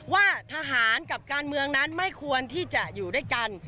ว่าทหารกับการเมืองนั้นไม่ควรที่จะอยู่ด้วยกัน